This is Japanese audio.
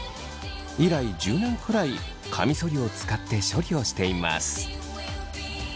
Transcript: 以来１０年くらいカミソリを使って処理をしています。